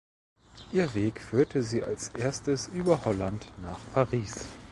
Ihr Weg führte sie als Erstes über Holland nach Paris.